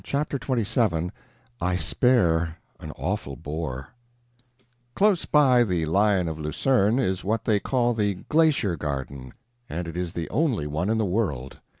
CHAPTER XXVII [I Spare an Awful Bore] Close by the Lion of Lucerne is what they call the "Glacier Garden" and it is the only one in the world.